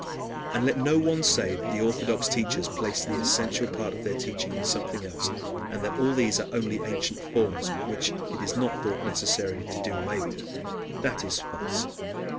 And let no one say that the Orthodox teachers place the essential part of their teaching in something else, and that all these are only ancient forms, which it is not thought necessary to do away with. That is false.